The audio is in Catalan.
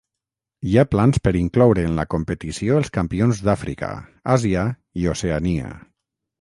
Hi ha plans per incloure en la competició els campions d'Àfrica, Àsia i Oceania.